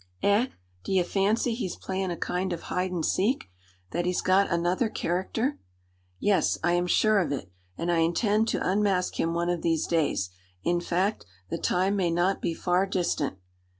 "Eh! D'ye fancy he's playin' a kind of hide and seek? that he's got another character?" "Yes. I am sure of it, and I intend to unmask him one of these days. In fact, the time may not be far distant."